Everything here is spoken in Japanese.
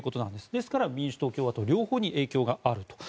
ですから民主党・共和党両方に影響があると。